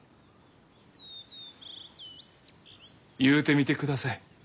言うてみてください。